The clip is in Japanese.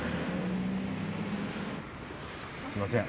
すいません